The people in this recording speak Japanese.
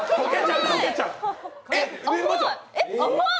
甘い！